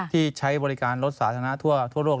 ที่ใช้บริการรถสาธารณะทั่วโลก